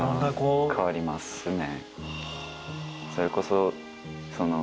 まあ変わりますね。